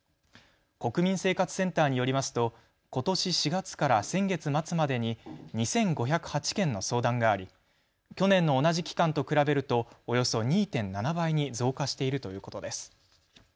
国民生活センターによりますとことし４月から先月末までに２５０８件の相談があり去年の同じ期間と比べるとおよそ２．７倍に増加しているということです。